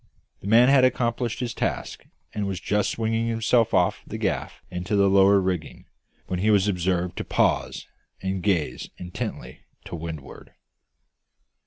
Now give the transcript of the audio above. The man had accomplished his task, and was just swinging himself off the gaff into the lower rigging, when he was observed to pause and gaze intently to windward.